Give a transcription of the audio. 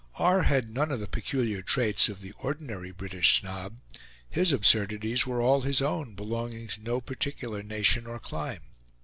R. had none of the peculiar traits of the ordinary "British snob"; his absurdities were all his own, belonging to no particular nation or clime.